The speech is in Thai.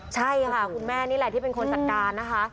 ใช่ค่ะคุณแม่นี่แหละที่เป็นคนจัดการนะคะ